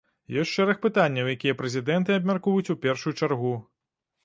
Ёсць шэраг пытанняў, якія прэзідэнты абмяркуюць у першую чаргу.